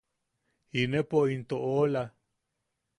Inepo into oʼola.